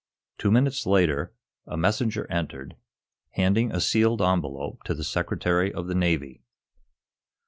Two minutes later, a messenger entered, handing a sealed envelope to the Secretary of the Navy.